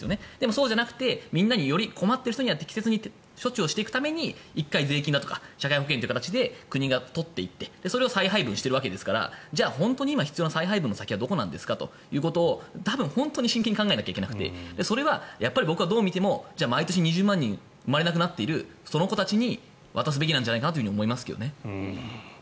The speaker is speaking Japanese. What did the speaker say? そうじゃなくてより困っている人には適切に処置をしていくために１回税金だとか社会保険料という形で国が取っていってそれを再配分しているから本当に必要な再配分の先はどこかを多分本当に真剣に考えなきゃいけなくて僕はどう見てもじゃあ、毎年２０万人が生まれなくなっているその子たちに渡すべきなんじゃないかなと思いますけどね。